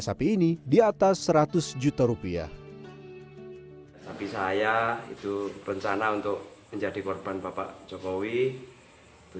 sapi ini di atas seratus juta rupiah tapi saya itu rencana untuk menjadi korban bapak jokowi